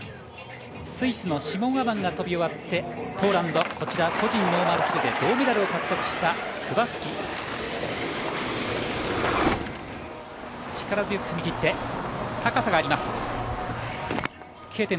スイスのシモン・アマンが飛び終わってポーランドこちら個人ノーマルヒル銅メダルを獲得したクバツキ。